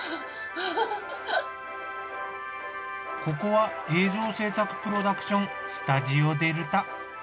ここは映像制作プロダクションスタジオデルタ。